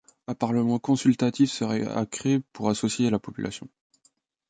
Un parlement consultatif serait à créer pour associer la population.